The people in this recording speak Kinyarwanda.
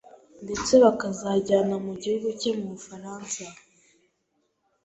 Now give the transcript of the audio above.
Ndetse bakazajyana mu gihugu cye mu bufaransa